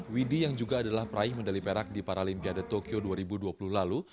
widhi yang juga adalah peraih medali perak di paralimpiade tokyo dua ribu dua puluh lalu